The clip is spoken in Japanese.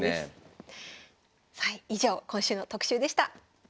以上今週の特集でした。